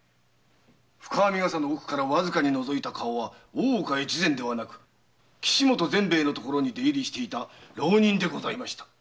深編笠の奥にのぞいた顔は大岡越前ではなく岸本善兵衛のところに出入りしていた浪人でした。